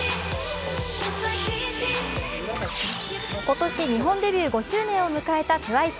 今年、日本デビュー５周年を迎えたＴＷＩＣＥ。